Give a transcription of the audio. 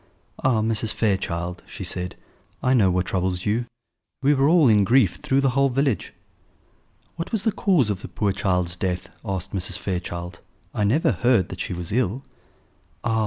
"Ah, Mrs. Fairchild," she said, "I know what troubles you: we are all in grief through the whole village." "What was the cause of the poor child's death?" asked Mrs. Fairchild. "I never heard that she was ill." "Ah!